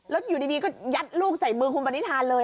แล้วอยู่ดีก็ยัดลูกใส่มือคุณปณิธานเลย